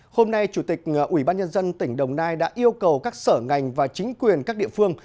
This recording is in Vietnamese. hôm nay chủ tịch ubnd tỉnh đồng nai đã yêu cầu các sở ngành và chính quyền các địa phương